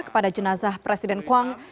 kepada jenazah presiden quang